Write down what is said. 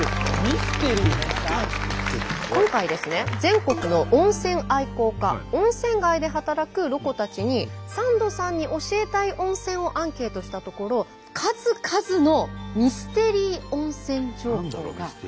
今回ですね全国の温泉愛好家温泉街で働くロコたちにサンドさんに教えたい温泉をアンケートしたところミステリー？